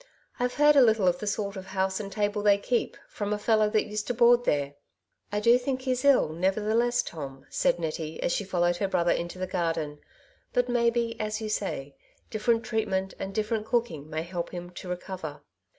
I've heard a little of the sort of house and table they keep, from a fellow that used to board there/' "I do think he's ill, nevertheless, Tom/' said Nettie, as she followed her brother into the garden j *' but maybe, as you say, different treatment and different cooking may help him to recover.